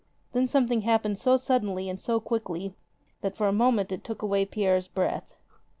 Then something happened so suddenly and so quickly that for the moment it took away Pierre's breath.